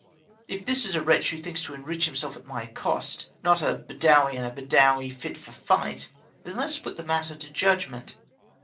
If this is a wretch who thinks to enrich himself at my cost, not a Bedawi and a Bedawi fit for fight, then let us put the matter to judgment.